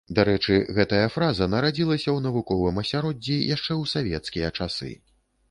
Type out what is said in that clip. Дарэчы, гэтая фраза нарадзілася ў навуковым асяроддзі яшчэ ў савецкія часы.